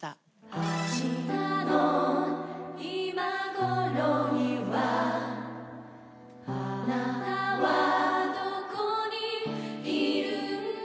「明日の今頃にはあなたはどこにいるんだろう」